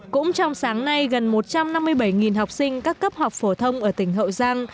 cũng trong sáng nay gần một trăm năm mươi bảy học sinh các cấp học phổ thông ở tỉnh hậu giang